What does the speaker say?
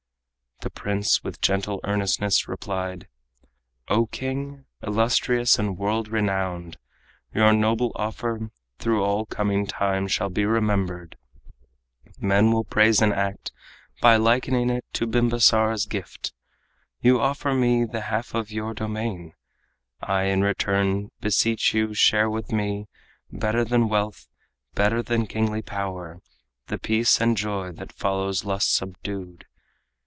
The prince with gentle earnestness replied: "O king, illustrious and world renowned! Your noble offer through all coming time Shall be remembered. Men will praise an act By likening it to Bimbasara's gift. You offer me the half of your domain. I in return beseech you share with me Better than wealth, better than kingly power, The peace and joy that follows lusts subdued.